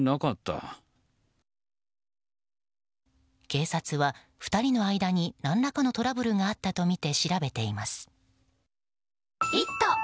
警察は２人の間に何らかのトラブルがあったとみて調べています。